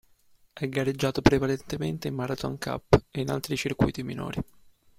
Ha gareggiato prevalentemente in Marathon Cup e in altri circuiti minori.